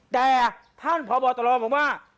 แต่ท่านพบตรบอกว่า